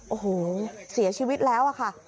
โอ้โหเสียชีวิตแล้วอะค่ะ